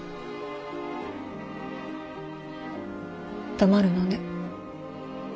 黙るのね。